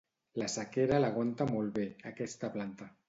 La sequera l'aguanta molt bé, aquesta planta.